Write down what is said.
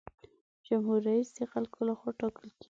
جمهور رئیس د خلکو له خوا ټاکل کیږي.